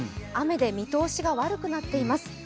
雨で見通しが悪くなっています。